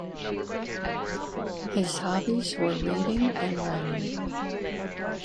His hobbies were reading and writing.